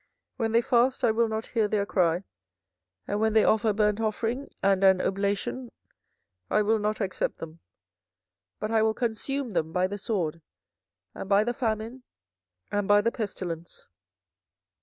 24:014:012 When they fast, I will not hear their cry; and when they offer burnt offering and an oblation, I will not accept them: but I will consume them by the sword, and by the famine, and by the pestilence.